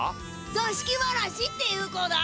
ざしきわらしっていう子だ。